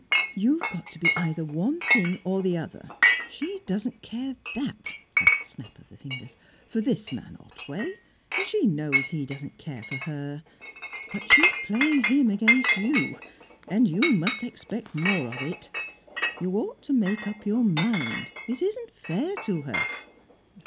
"You've got to be either one thing or the other. She doesn't care that" a snap of the fingers "for this man Otway, and she knows he doesn't care for her. But she's playing him against you, and you must expect more of it. You ought to make up your mind. It isn't fair to her."